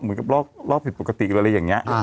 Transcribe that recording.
เหมือนกับลอกผิดปกติหรืออะไรอย่างนี้